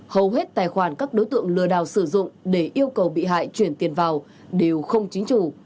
hầu hết tài khoản các đối tượng lừa đảo sử dụng để yêu cầu bị hại chuyển tiền vào đều không chính chủ